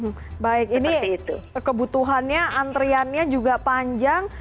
hmm baik ini kebutuhannya antriannya juga panjang